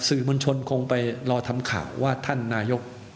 สื่อมวลชนคงไปรอทำข่าวว่าท่านนายก